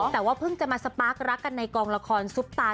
แต่ว่าเพิ่งจะมาสปาร์ครักกันในกองละครซุปตา